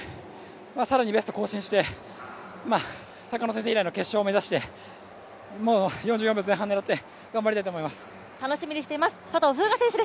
更にベストを更新して高野先生以来の決勝を目指してもう４４秒前半狙って頑張りたいと思います。